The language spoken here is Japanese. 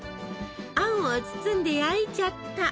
あんを包んで焼いちゃった。